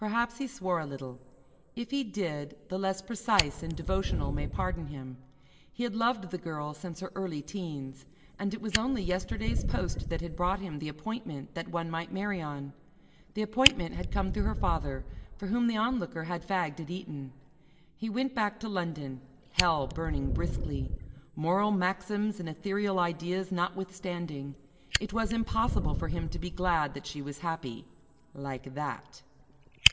Perhaps he swore a little. If he did, the less precise and devotional may pardon him. He had loved the Girl since her early teens, and it was only yesterday's post that had brought him the appointment that one might marry on. The appointment had come through her father, for whom the Onlooker had fagged at Eton. He went back to London, hell burning briskly. Moral maxims and ethereal ideas notwithstanding, it was impossible for him to be glad that she was happy like that.